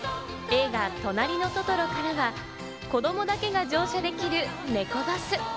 映画『となりのトトロ』からは子供だけが乗車できるネコバス。